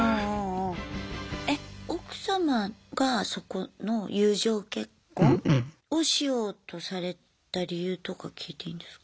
え奥様がそこの友情結婚をしようとされた理由とか聞いていいんですか？